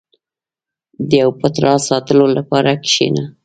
• د یو پټ راز ساتلو لپاره کښېنه.